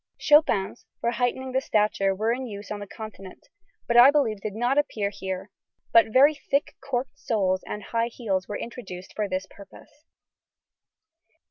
Chopins for heightening the stature were in use on the Continent, but I believe did not appear here; but very thick corked soles and high heels were introduced for this purpose.